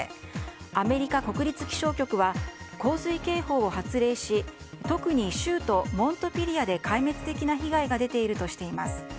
アメリカ国立気象局は洪水警報を発令し特に州都モントピリアで壊滅的な被害が出ているとしています。